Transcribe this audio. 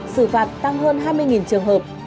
sự phạt tăng hơn hai mươi trường hợp